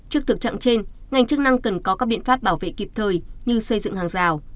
trước thực trạng trên ngành chức năng cần có các biện pháp bảo vệ kịp thời như xây dựng hàng rào